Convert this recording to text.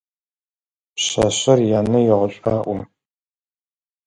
Пшъашъэр янэ егъэшӀуаӀо.